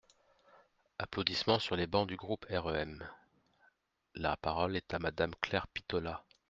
(Applaudissements sur les bancs du groupe REM.) La parole est à Madame Claire Pitollat.